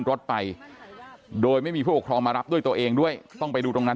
รถไปโดยไม่มีผู้ปกครองมารับด้วยตัวเองด้วยต้องไปดูตรงนั้น